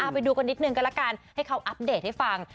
ไปดูกันนิดนึงก็ละกันให้เขาอัปเดตให้ฟัง